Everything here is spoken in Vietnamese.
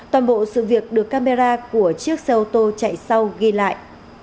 toàn bộ sự việc được camera của chiếc xe ô tô chạy sau ghi lại